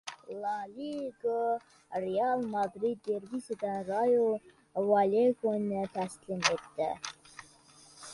La Liga. “Real” Madrid derbisida “Rayo Valyekano”ni taslim etdi